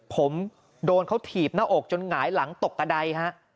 ผมโดนเขาถีบหน้าอกจนหงายหลังตกกระดายฮะ